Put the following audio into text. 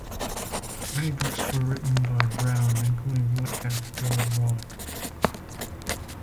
Many books were written by Brown, including What Hath God Wrought?